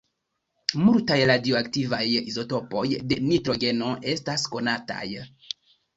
Multaj radioaktivaj izotopoj de nitrogeno estas konataj.